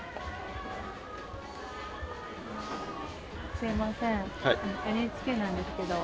すいませんＮＨＫなんですけど。